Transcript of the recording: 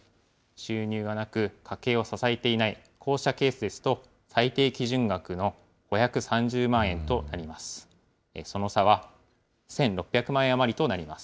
収入がなく、家計を支えていない、こうしたケースですと、最低基準額の５３０万円となります。